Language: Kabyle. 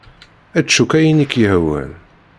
Ečč akk ayen i k-yehwan.